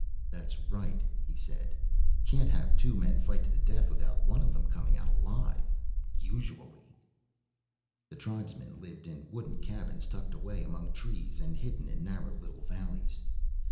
"That's right," he said. "Can't have two men fight to the death without one of them coming out alive, usually." The tribesmen lived in wooden cabins tucked away among trees and hidden in narrow little valleys.